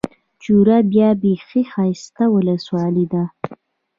چوره بيا بېخي ښايسته اولسوالي ده.